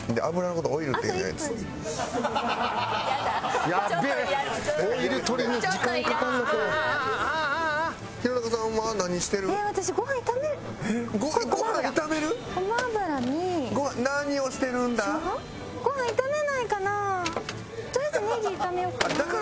とりあえずネギ炒めようかな？